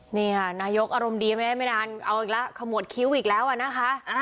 นี่ค่ะนายกอารมณ์ดีไม่ได้ไม่นานเอาอีกแล้วขมวดคิ้วอีกแล้วอะนะคะ